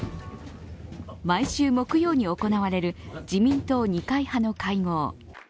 毎週木曜に行われる自民党・二階派の会合。